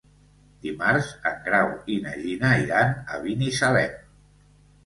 Dimarts en Grau i na Gina iran a Binissalem.